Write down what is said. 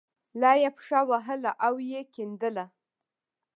لا یې پښه وهله او یې کیندله.